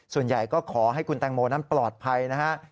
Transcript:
ส่วนใหญ่ก็ขอให้คุณแตงโมนั้นปลอดภัยนะฮะ